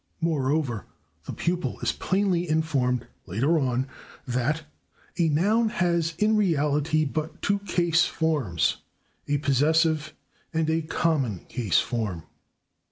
Moreover, the pupil is plainly informed, later on, that "a noun has in reality but two case forms: a possessive and a common case form."